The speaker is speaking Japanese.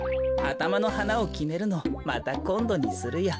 あたまのはなをきめるのまたこんどにするよ。